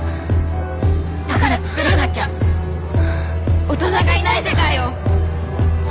だから作らなきゃ大人がいない世界を。